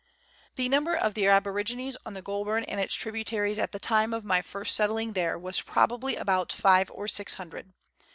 The number of the aborigines on the Goulburn and its tribu taries at the time of my first settling there, was probably about five or six hundred.